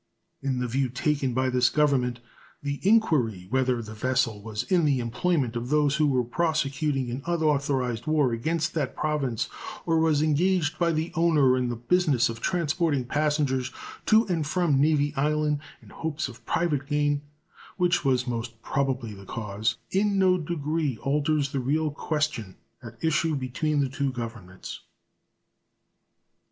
In the view taken by this Government the inquiry whether the vessel was in the employment of those who were prosecuting an unauthorized war against that Province or was engaged by the owner in the business of transporting passengers to and from Navy Island in hopes of private gain, which was most probably the case, in no degree alters the real question at issue between the two Governments.